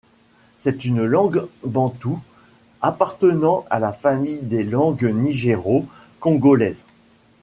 C'est une langue bantoue, appartenant à la famille des langues nigéro-congolaises.